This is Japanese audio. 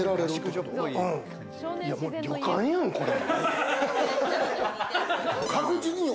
もう旅館やん、これ。